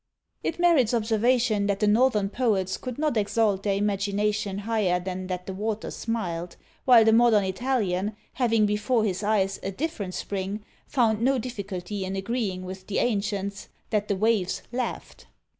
It merits observation, that the Northern Poets could not exalt their imagination higher than that the water SMILED, while the modern Italian, having before his eyes a different Spring, found no difficulty in agreeing with the ancients, that the waves LAUGHED.